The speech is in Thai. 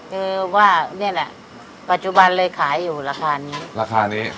คือว่านี่แหละปัจจุบันเลยขายอยู่ราคานี้ราคานี้